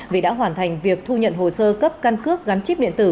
vì đã hoàn thành việc thu nhận hồ sơ cấp căn cước gắn chip điện tử